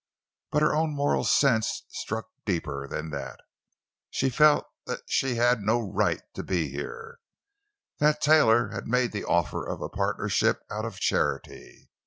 But her own moral sense struck deeper than that. She felt she had no right to be here; that Taylor had made the offer of a partnership out of charity.